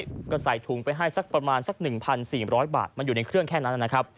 เขาก็ใส่ถุงไปให้ประมาณสัก๑๔๐๐บาทมันอยู่ในเครื่องแค่นั้น